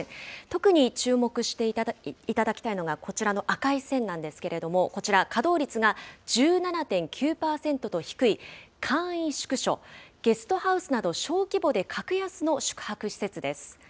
特に注目していただきたいのが、こちらの赤い線なんですけれども、こちら、稼働率が１７．９％と低い簡易宿所、ゲストハウスなど小規模で格安の宿泊施設です。